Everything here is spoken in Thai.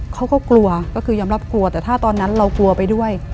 เขาก็กลัวก็คือยอมรับกลัวแต่ถ้าตอนนั้นเรากลัวไปด้วย